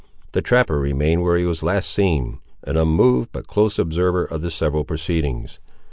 The trapper remained where he was last seen, an unmoved but close observer of the several proceedings.